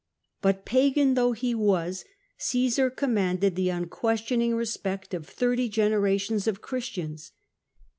But, pagan though he was, Cmsar commanded the unquestioning respect of thirty generations of Christians.